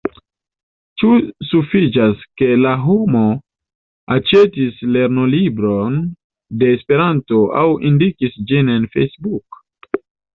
Ĉu sufiĉas, ke la homo aĉetis lernolibron de Esperanto, aŭ indikis ĝin en Facebook?